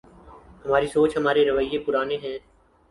ہماری سوچ ‘ ہمارے رویے پرانے ہیں۔